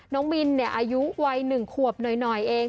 น้องบินอายุวัย๑ขวบหน่อยเอง